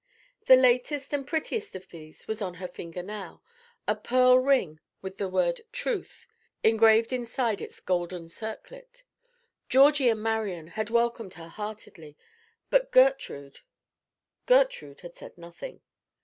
The latest and prettiest of these was on her finger now, a pearl ring with the word "Truth" engraved inside its golden circlet. Georgie and Marian had welcomed her heartily; but Gertrude, Gertrude had said nothing.